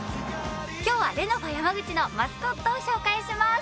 今日はレノファ山口のマスコットを紹介します。